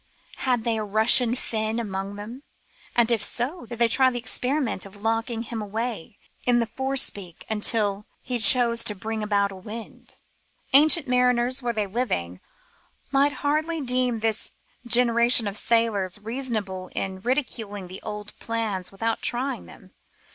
Had they a Bussian Fin among them, and, if so, did they try the experiment of locking him away in the forepeak until he chose to bring about a wind ? Ancient mariners, were they living, might hardly deem this generation of sailors reasonable in ridiculing the old plans without trying them.